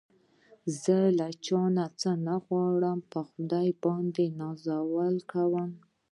زه له چا څه نه غواړم په خدای باندې نازونه کوم